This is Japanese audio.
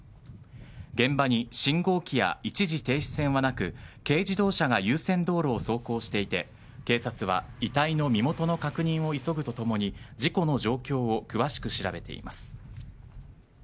現場に信号機や一時停止線はなく軽自動車が優先道路を走行していて警察は遺体の身元の確認を急ぐとともに事故の状況を詳しく調べています。